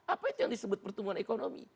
apa itu yang disebut pertungan ekonomi